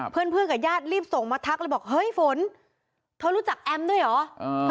เพื่อนกับญาติรีบส่งมาทักเลยบอกเฮ้ยฝนเธอรู้จักแอมด้วยเหรอ